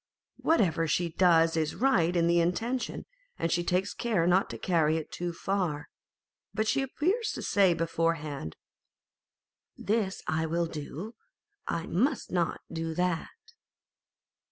Whatever she does is right in the intention, and she takes care not to carry it too far ; but she appears to say beforehand, " This I will do, I must not do that."